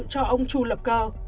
cho ông chu lập cơ